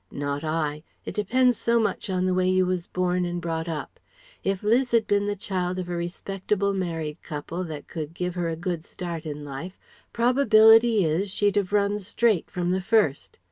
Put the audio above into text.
Not I. It depends so much on the way you was born and brought up. If Liz had been the child of a respectable married couple that could give her a good start in life, 'probability is she'd have run straight from the first.